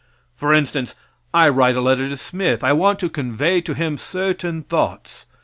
For instance, I write a letter to Smith. I want to convey to him certain thoughts.